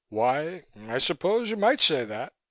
"Why, I suppose you might say that.